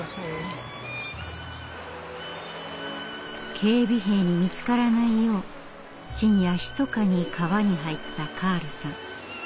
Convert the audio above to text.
警備兵に見つからないよう深夜ひそかに川に入ったカールさん。